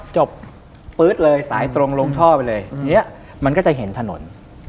ปื๊ดเลยสายตรงลงท่อไปเลยทีนี้มันก็จะเห็นถนน